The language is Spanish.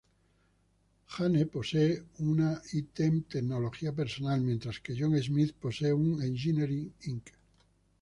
Jane posee una I-Temp Tecnología personal, mientras que John Smith posee un Engineering, Inc.